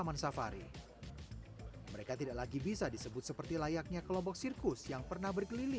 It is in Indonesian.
dan juga perkembangan teknologi yang baru sekarang sehingga television atau semua online apa saja itu banyak sekali